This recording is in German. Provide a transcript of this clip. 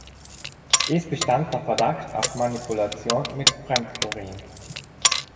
Es bestand der Verdacht auf Manipulation mit Fremd-Urin.